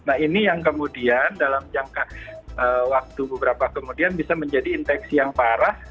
nah ini yang kemudian dalam jangka waktu beberapa kemudian bisa menjadi infeksi yang parah